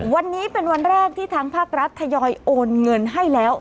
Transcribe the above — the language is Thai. วันนี้เป็นวันแรกที่ทางภาครัฐทยอยโอนเงินให้แล้ว